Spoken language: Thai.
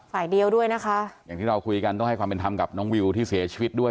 ฝ่ายเดียวด้วยนะคะอย่างที่เราคุยกันต้องให้ความเป็นธรรมกับน้องวิวที่เสียชีวิตด้วย